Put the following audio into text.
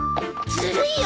ずるいよ